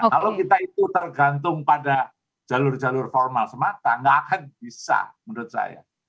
kalau kita itu tergantung pada jalur jalur formal semata nggak akan bisa menurut saya